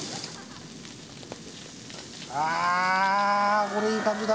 あーこれいい感じだ